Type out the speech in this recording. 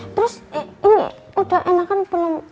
terus ini udah enakan belum